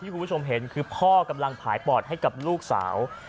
คุณผู้ชมเห็นคือพ่อกำลังผ่ายปอดให้กับลูกสาว